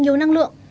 nhiều năng lượng